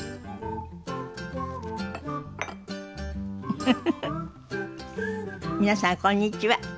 フフフフ皆さんこんにちは。